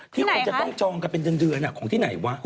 ที่คนจะต้องจองกันเป็นเดือนของที่ไหนวะ